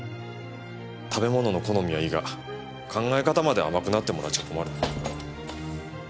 食べ物の好みはいいが考え方まで甘くなってもらっちゃ困る。